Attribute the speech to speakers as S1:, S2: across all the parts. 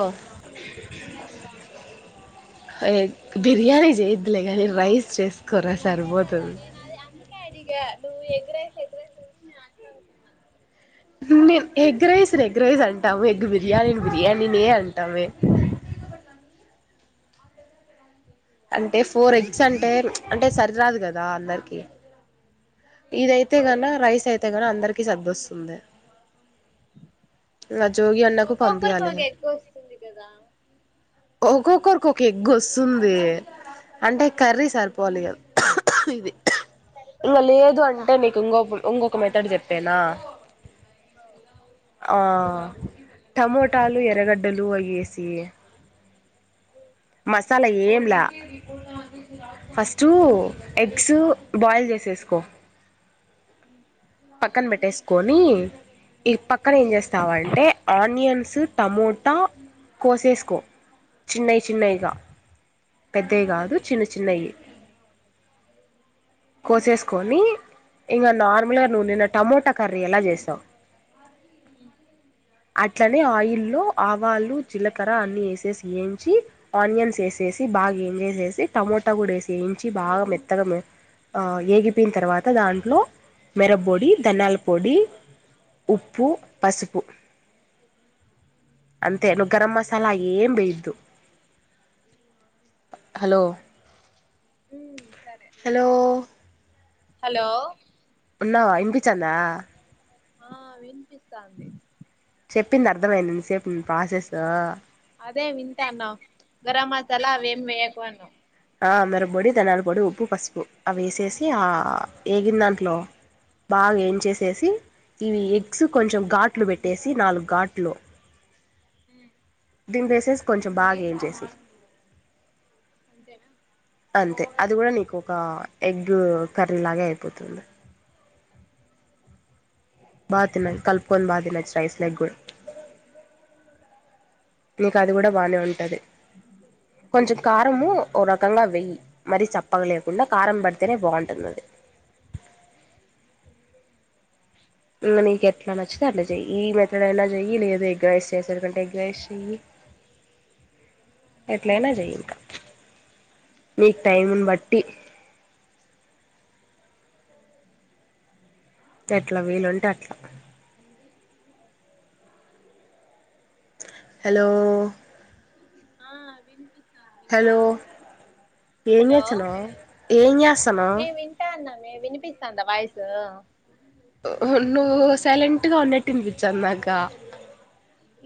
S1: ఆ
S2: మ్ pan
S1: egg biryani చేయోద్లె కాని రైస్ చేసుకోరా
S2: అదే కదా
S1: సరిపోతది
S2: నేను అదే అందుకే అడిగా నువ్వు ఎగ్రైస్ ఎగ్రైస్ నేను ఆచలు అవుతున్నాను
S1: మేం ఎగ్ రైస్ ని ఎగ్ రైస్ అంటాము ఎగ్ బిర్యానీ బిర్యానీ నే అంటాము మేం [inaudible] అంటే ఫోర్ ఎగ్స్ అంటే అంటే సరి రాదు గదా అందరికి ఇదైతే గన రైస్ అయితే గన అందరికిీ సర్దుస్తుంది ల జోగి అన్నకు
S2: ఒక్కొక్కరికి
S1: పంపియాలిగ
S2: ఒక ఎగ్ వస్తుంది కదా
S1: ఒక్కొక్కరికి ఒక ఎగ్ వస్తుంది అంటే
S2: ఉమ్
S1: కర్రీ సరిపోవాలి గ ఇది ఇంగ
S2: సరిపోయేటట్టు
S1: లేదు
S2: చేస్తా
S1: అంటే నీకు ఇంగోక ఇంగోక మెతడు చెప్పేనా
S2: ఆ,
S1: ఆ టమోటాలు ఎరగడ్డలు అయ్యి ఏసి
S2: ఉమ్
S1: మసాలా ఏంలా ఫస్టు ఎగ్స్ బాయిల్ చేసేసుకో
S2: మ్
S1: పక్కన పెట్టేసుకొని ఈ పక్కన ఏం చేస్తావంటే ఆనియన్స్ టమో ట కోసేసుకో చిన్నై
S2: ఉమ్
S1: చిన్నవిగా పెద్దయ్
S2: ఉమ్
S1: కాదు చిన్న చిన్నయి కోసేసుకొని ఇంగ నార్మల్గా నువు నిన్న టమొట కర్రీ ఎలా చేసావు
S2: ఉమ్,
S1: అట్లనే ఆయిల్లో ఆవాలు జీలకర్ర అన్ని ఏసేసి వేయించి ఆనియన్స్ ఏసేసి సి బాగా ఎంజాయ్ చేసి టమోటా గూడా వేసి వేయించి బాగా మెత్తగా ఆ ఏగిపోయిన తర్వాత దాంట్లో మిరపొడి ధన్యాల పొడి ఉప్పు పసుపు అంతే నువు గరం మసాలా అయ్యేం వేయొద్దు హలో
S2: ఉమ్, సరే
S1: హలో
S2: హలో
S1: ఉన్నావా ఇనిపిచందా
S2: ఆ వినిపిస్తాంది
S1: చెప్పింది అర్థమైయిందాఇంత సేపు నీ ప్రాసెసు
S2: అదే వింటాన్న గరం మసాలా అవేం వేయకు అన్నవ్
S1: ఆ మిరప పొడి ధనయాల పొడి ఉప్పు పసుపు అవి వేసేసి ఆ ఏగిన దాంట్లో బాగా ఏంచేసేసి ఇవి ఎగ్స్ కొంచెం ఘాట్లు పెట్టేసి నాలుగు ఘాట్లు
S2: ఉమ్
S1: దింపేసేసి కొంచం బాగా ఎంచేసేయి
S2: అంతేనా
S1: అంతే అది కూడా నీకు ఒక ఎగ్ కర్రీలాగే అయిపోతుంది బా తినం కలుపుకొని బా తినచ్చు రైస్ లో గు నీకు అది కూడా బానే ఉంటది కొంచెం కారము ఒ రకంగా వెయ్యి మరీ చప్పక లేకుండా కారం పడితేనే బాగుంటది అది ఇంగ నీకు ఎట్లా నచ్చితే అట్ల చెయ్యి ఈ మెథడ్ అయినా చెయ్యి లేదు ఎగ్రైస్ చేసేటుగుంటే ఎగ్రైస్ చెయ్యి ఎట్లయినా చెయ్యి ఇంక మీకు టైముని బట్టి ఎట్ల వీలుంటే అట్లా హలో
S2: ఆ వినిపి
S1: హలో ఏం
S2: హలో
S1: జెస్తున్నావ్ ఏం జెస్తానవ్
S2: మే వినిపిస్తాందా వాయిస్
S1: నువ్వు సైలెంట్ గా ఉన్నట్టు ఇనిపించ్చంది నాకు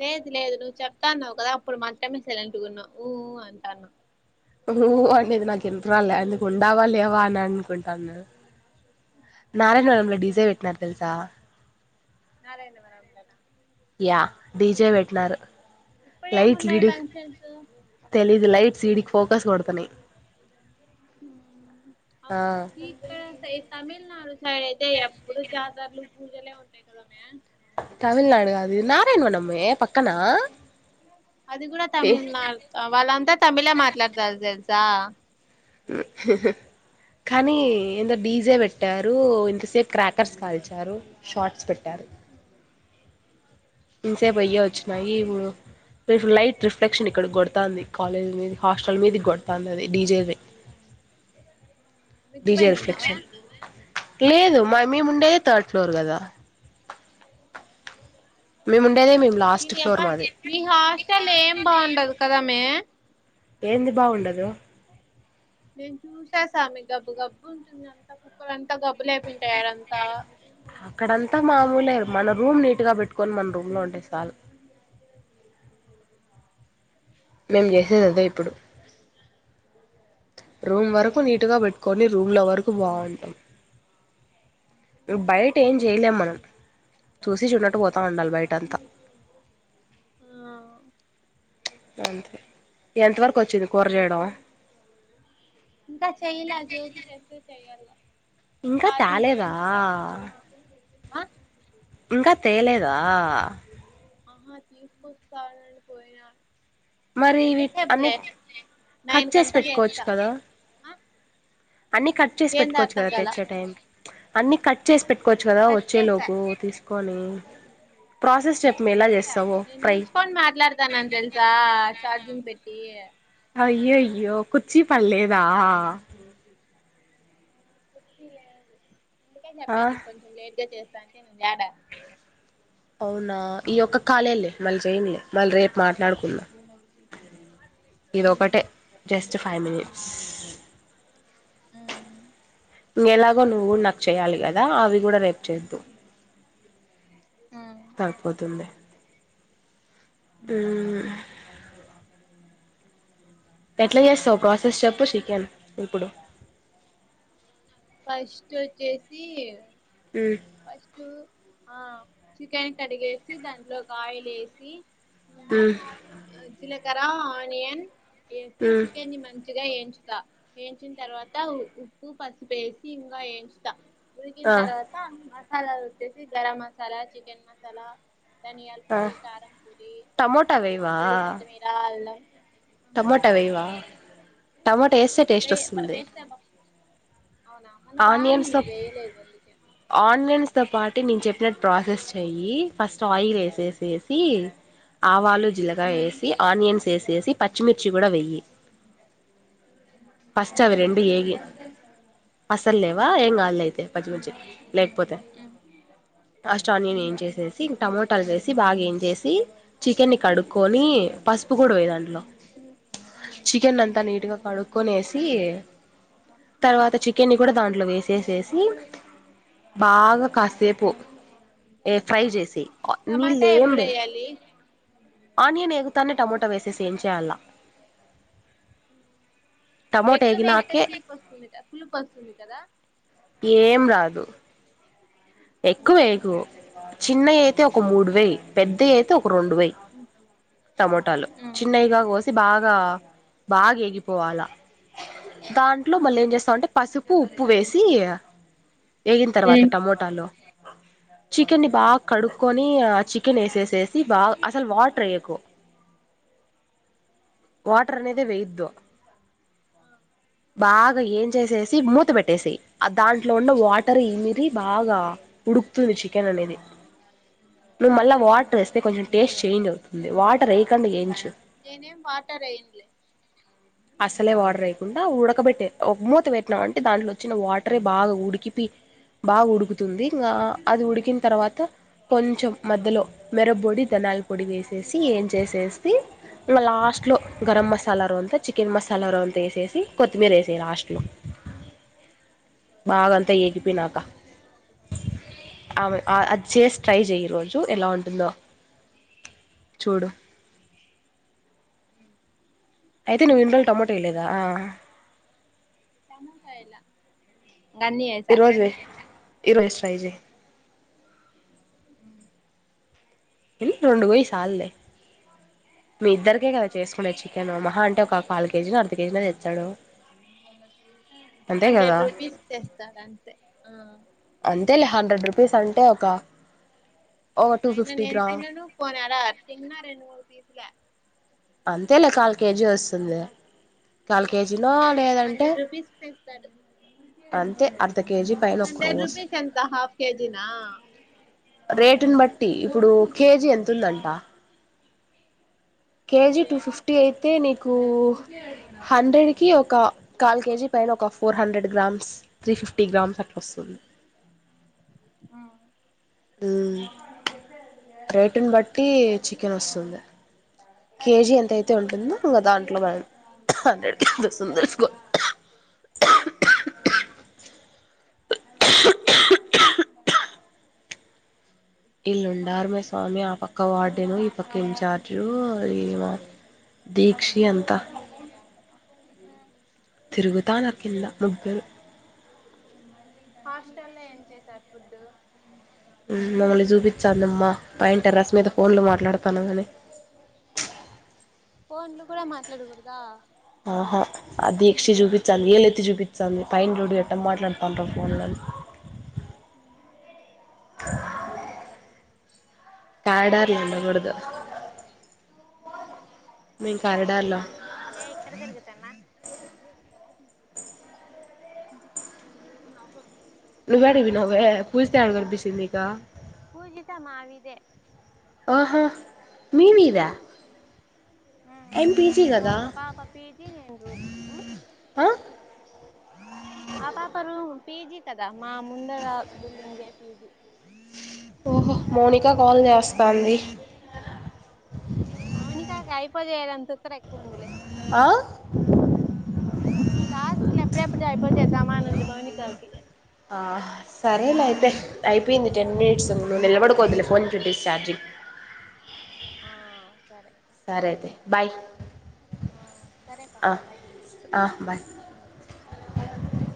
S2: లేదు లేదు నువ్వు చెప్తాన్నావు కదా అప్పుడు మాత్రమే సైలెంట్ గున్న ఊ ఉ అంటాన్నా
S1: ఉ ఉ అనేది నాకు ఇనపరాలే అందుకు ఉండావా లేవా అని అనుకుంటాన
S2: అదే
S1: నారాయణవరం లో డిజే వెట్నారు తెలుసా
S2: నారాయణ వరం లోన
S1: యా డిజే వెట్నారు
S2: ఇప్పుడేమున్నాయి ఫంక్షన్స్
S1: తెలీదు లైట్స్ ఇడికి ఫోకస్ కొడతన్నయ్
S2: ఉమ్ [unintelligible] ఈ తమిళ్ తమిళనాడు సైడ్ అయితే ఎప్పుడు జాతరలు పూజలే ఉంటాయి కదామే
S1: తమిళనాడు కాదు నారాయణవనమ్మే పక్కనా
S2: అది కూడా తమిళనాడు వాళ్ళంతా తమిళే మాట్లాడుతారు తెలుసా
S1: ఉ కానీ ఏందో డీజే పెట్టారు ఇంతసేపు క్రాకర్స్ కాల్చారు షార్ట్స్ పెట్టారు ఇంసేపు అయ్యే వచ్చినాయి ఇప్పుడు ఇప్పుడు లైట్ రిఫ్లెక్షన్ ఇక్కడకు కొడతాంది కాలేజ్ మీద హాస్టల్ మీద కొడతాంది డీజేది
S2: మిద్ది
S1: డీజే
S2: పైన ఉన్నావా
S1: రిఫ్లెక్షన్ లేదు మ మేముండేదే థర్డ్ ఫ్లోర్ కదా మేముం
S2: దీని అబ్బా మీ హాస్టల్ ఏం బాగుండదు కదా మే
S1: ఏంది బాగుండదు
S2: నేను చూసా సామి గబ్బు గబ్బు ఉంటుంది అంత కుక్కలని అంత గబ్బు లేపింటాయి ఆడంత
S1: లేరు మన రూమ్ నీట్ గా పెట్టుకొని మన రూమ్ లో ఉంటే సాలు మేము చేసేదదే ఇప్పుడు రూమ్ వరకు నీటిగా పెట్టుకొని రూంలో వరకు బాగుంటాం బయట ఏం చేయలేం మనం చూసి చుడనట్టు పో బాండాలి బయట అంతా
S2: ఆ
S1: ఎంతవరకు వచ్చింది కూర జేయడం
S2: ఇంకా చెయలే జోకీ తెస్తే చెయ్యాలే.
S1: ఇంకా తాలేదా.
S2: ఆ
S1: ఇంకా తేలేదా
S2: ఆహ్ తీసుకొస్తాడని పోయినడు.
S1: మరి ఇవి అన్ని
S2: నైన్
S1: కట్ చేసి
S2: కంతా
S1: పెట్టుకోవచ్చు
S2: చేస్తా
S1: కదా
S2: ఆ
S1: అన్ని కట్ చేసి
S2: ఏందో
S1: పెట్టుకోవచ్చు
S2: అర్థం
S1: కదా
S2: కాలా
S1: తెచ్చే టైంకి అన్ని కట్ చేసి పెట్టుకోవచ్చు కదా
S2: కట్ చేసా
S1: వచ్చేలోపు తీసుకొని ప్రాసెస్ చెప్పు మే ఎలా
S2: వచ్చేసా
S1: చేస్తావో
S2: నేను
S1: ఫ్రై
S2: నిల్చకొన్ మాట్లాడతాన తెల్సా చార్జింగ్ పెట్టి
S1: అయ్యయ్యో కుచ్చి పల్లేేదా.
S2: కుర్చీ లేదు అందుకే
S1: ఆ
S2: చెప్ప నీకు కొంచం లేట్ గా చేస్తా. దంకేమైంది యడా.
S1: అవునా ఈ ఒక్క కాలే ళ్లే మళ్ళీ చేయలే మళ్ళీ రేపు మాట్లాడుకుందం ఇదొకటే జస్ట్ ఫైవ్ మినిట్స్ ఏలాగో నువ్వు గూడ నాకు చెయ్యాలి కదా అవి గూడా రేపు చేద్దు సారిపోతుంది ఉమ్ ఎట్లా జేస్తావ్ ప్రాసెస్ చెప్పు చికెన్ ఇప్పుడు.
S2: ఫస్టచ్చేసి
S1: మ్మ్
S2: ఫస్ట్ ఆహ్ చికెన్ కడిగేసి దాంట్లో ఆయిల్ ఏసి.
S1: మ్మ్
S2: జీలకర ఆనియన్ ఏసి
S1: మ్మ్
S2: చికెని మంచి గా ఏయించుతా ఏయించిన్ తర్వాత ఉప్పు పసుపేసి ఇంకా వెయించుతా ఉడికిిన్
S1: ఆ
S2: తర్వాత మసాలా వట్టేసి గరం మసాలా చికెన్ మసాలా ధనియాల
S1: ఆ
S2: పొడి కారం పొడి
S1: టమోటా
S2: ఉప్పు కొత్తిమీర అల్లం ఆహా
S1: టమటా వేయవా
S2: టమాటా
S1: టమటా ఎస్తే టేస్ట్ వస్తుంది
S2: వేస్తా అవునా మొన్న బాగా
S1: ఆనియన్స్ తో
S2: ఉండింది వేయలేదు అందుకే.
S1: స్వాతి నేను చెప్పినట్టు ప్రాస్సెస్ చెయ్యి ఫస్ట్ ఆయిల్ వేసేసి ఆవాలు. జిలకర వేసి ఆనియన్స్ వేసేసి పచ్చిమిర్చి గూడా వెయ్యి ఫస్ట్ అవి రెండు
S2: పచ్చిమిర్చి
S1: ఏగి
S2: లేదే
S1: అస్సల్ లేవా ఏంకాదు లే అయితే పచ్చి మిర్చి లేకపోతే ఫస్ట్ ఆనియన్ ఏం
S2: ఉమ్,
S1: ఏంచేసేసియ్ ఇం టమటో ట్టల్ వేసి బాగా ఏంచేసేసి చికెన్ని కడుక్కొని
S2: ఉమ్,
S1: పసుపు గూడా వెయ్ దాంట్లో
S2: ఉమ్,
S1: చికెనంతా
S2: ఉమ్,
S1: నీట్గా కడుక్కొనేసి తర్వాత
S2: ఉమ్,
S1: చికెన్ని కూడా దాంట్లో వేసేసేసి బాగా
S2: ఉమ్.
S1: కాసేపు ఎ ఫ్రై జేసేయ్
S2: టమాటా
S1: నీళ్లెం బోయకు.
S2: ఎప్పుడేయాలి
S1: ఆనియన్ ఎగుతానే టమోటా వేసేసి ఏంచేయల. టమోటా
S2: ఎక్కువేస్తే
S1: ఎగినాకే
S2: తీపి వస్తుంది పులుపు వస్తుంది కదా
S1: ఏం రాదు
S2: ఉమ్,
S1: ఎక్కువేయాకు చిన్నవి అయితే ఒక మూడు వేయ్ పెద్దవి అయితే రొండు వై
S2: ఉమ్,
S1: టమోటాలు
S2: ఉమ్,
S1: చిన్నయ్ గా కోసి బాగా బాగా ఎగిపోవాలా దాంట్లో
S2: ఉమ్.
S1: మళ్ళ ఏం చేస్తాం అంటే పసు పు ఉప్పు వేసి వేగిన తర్వాత
S2: ఉమ్,
S1: టమోటాలో చికెన్ని బా
S2: ఉమ్.
S1: కడు కొని అ చికెన్ వేసేసేసి బా అసల్ వాటర్ వేయకు వాటర్ అనేదే వేయొద్దు. బాగా ఏం చేసేసి మూత పెట్టేసేయ్ ఆ దాంట్లో ఉన్న వాటర్ ఇమిరి బాగా. ఉడుక్తుంది చికెన్ అనేది. నువ్వు మళ్ళా వాటర్ వేస్తే కొంచెం టేస్ట్ చేంజ్ అవుతుంది వాటర్ వేయకుండా ఎయించు.
S2: నేనేం వాటర్ ఎయిన్లే.
S1: అసలే వాటర్ ఎయకుండ ఉడకబెట్టే ఒక మూత పెట్నావంటె దాంట్లో అచ్చిన వాటరే బాగా ఉడికి పి బాగుడుకుతుంది ఆ అది ఉడికిన్ తర్వాత కొంచెం మధ్యలో మిరపొడి ధనాల పొడి వేసేసి ఏం చేసేసి ఇగ లాస్ట్లో గరం మసాలా రోంత చికెన్ మసాలా రోంత ఎసేసి కొత్తిమీర ఎసేయ్ లాస్ట్లో బాగంతా ఏడిపినాక ఆమె అ అది చేసి ట్రై చేయ్ ఈరోజు ఎలా ఉంటుందో చూడు అయితే నువ్వు ఇన్ రోజుల్ టమోటో ఎయలేదా
S2: టమాటొ ఏయలే గన్నీ ఎసా
S1: ఈరోజు ఈరోజు ట్రై చేయ్ ఉమ్ రెండు గోయ్ సాల్లె మీ ఇద్దరికే కద చేసుకునేది చికెను మహా అంటే ఒక పాల్ కేజీ నొ అర్ధ కేజీ నొ తెచ్చాడు అంతే కదా
S2: హండ్రెడ్ రూపీస్ తెస్తరంతె ఆ
S1: అంతే లే హండ్రెడ్ రూపీస్ అంటే ఒక ఒక టూ
S2: అయిన
S1: ఫిఫ్టీ
S2: నేను
S1: గ్రామ్
S2: తిననూ పోని అడా తిన్న రెండు ముడు పీసులే
S1: అంతె లే కాల్ కేజీ అస్తుంది కాల్ కేజ్ ఇలా లేదంటె
S2: హండ్రెడ్ రూపీస్ తెస్తాడు
S1: అంతె అన్
S2: హండ్రెడ్ రుపీస్ ఎంత హాఫ్ కేజినా
S1: రేటుని బట్టి ఇప్పుడు కేజీ ఎంతుందంట కేజి టూ
S2: ఇప్పుడేమో
S1: ఫిఫ్టీ అయితే నిక్ కు హండ్రెడ్ కి ఒక కాల్ కేజీ పైన ఒక four hundred grams త్రిఫ్ fifty grams అట్లోస్తది
S2: ఆ
S1: కేనొస్తుంద కేజీ ఎంతయితే ఉంటుందొ ఇంగ దాంట్లో మనం హండ్రెడ్ కేజోస్తుందొ చుస్కో ఇల్లుండార్ మే స్వామి ఆ పక్క వార్డేను ఈ పక్క ఇన్చార్జు ఈమ దీక్షి అంత
S2: ఆ
S1: తిరుగుతా నా కింద ముగ్గురు
S2: హాస్టల్లో ఏం చేసారు ఫుడ్డు
S1: మమ్మల్ని చూపించాందమ్మా పైన్ టెర్రస్ మీద ఫోన్లు మాట్లాడతానం గానీ
S2: ఫోన్లు కూడ మాట్లాడకూడదా
S1: ఆహా అ దీక్షి చూపించాంది ఏలెత్తి చూపించాంది పైన చూడు ఎట్ట మాట్లాడతాండ్రో ఫోన్లని
S2: ఊ
S1: కార్రీడార్ల ఉండకూడదు మేం
S2: ఏయ్
S1: కారిడార్లో
S2: పూజితా ఏ ఇక్కడ తిరుగుతాన్న [inaudible] నవ్వొద్దు
S1: నువ్వేడి పోయినవె పూజిత ఎడ కనిపించింది నీకు
S2: పూజిత మా వీదె
S1: ఆహా మీ వీధా
S2: మ్ వాళ ఆ పాప పీజీ నెను రూమ్ ఉమ్
S1: ఆ
S2: ఆ పాప రూమ్ పీజీ కదా మా ముందర బిల్డింగే పీజీ
S1: ఓహో మౌనికా కాల్ చేస్తాంది
S2: మ్ మౌనిక కాయిపోజేయలని తుత్తర ఎక్కువుందిలే
S1: ఆ
S2: టాస్క్ లు ఎప్పుడే ఎప్పుడు అయిపోతాయి చేద్దామా అని ఉంది మౌనికాకి.
S1: ఆహ్ సరేలే అయితే అయిపోయింది టెన్ మినట్స్. నువ్వు నిలబడుకోవద్దులే ఫోన్ ది చార్జింగ్.
S2: ఆహ్ సరే.
S1: సరే అయితే బాయ్.
S2: ఆహ్ సరే అక్క
S1: ఆ
S2: బాయ్
S1: ఆ బాయ్
S2: ఉమ్ ఉమ్ బాయ్.